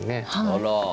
あら。